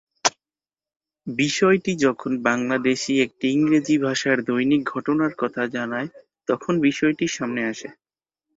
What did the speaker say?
বিষয়টি যখন বাংলাদেশি একটি ইংরেজি ভাষার দৈনিক ঘটনার কথা জানায় তখন বিষয়টি সামনে আসে।